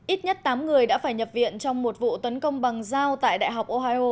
ít nhất tám người đã phải nhập viện trong một vụ tấn công bằng dao tại đại học ohio